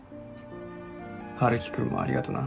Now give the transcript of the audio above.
春樹君もありがとな。